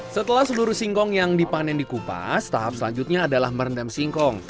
setelah seluruh singkong yang dipanen dikupas tahap selanjutnya adalah merendam singkong